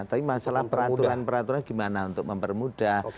tapi masalah peraturan peraturan gimana untuk mempermudah